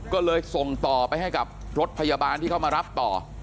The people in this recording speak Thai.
ก็เลยส่งต่อไปให้กับรถพยาบาลที่เข้ามารับต่อ